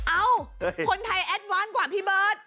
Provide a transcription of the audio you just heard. เอ้าคนไทยแอดวานกว่าพี่เบิร์ต